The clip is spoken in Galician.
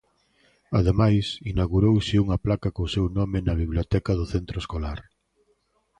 Ademais, inaugurouse unha placa co seu nome na biblioteca do centro escolar.